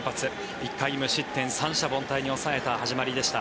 １回無失点、三者凡退に抑えた始まりでした。